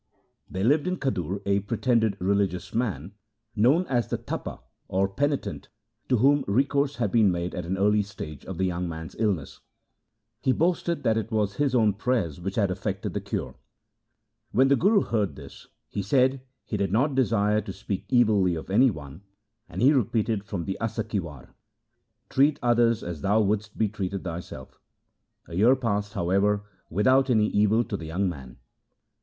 There lived in Khadur a pretended religious man known as the Tapa, or Penitent, to whom recourse had been made at an early stage of the young man's illness. He boasted that it was his own prayers which had effected the cure. When the Guru heard this, he said he did not desire to speak evilly of any one, and he repeated from the Asa ki War, ' Treat others as thou wouldst be treated thyself.' A year passed, however, without any evil to the young man.